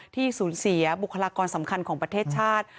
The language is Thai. ที่สูญเสียบุคลากรสำคัญของประเทศชาติ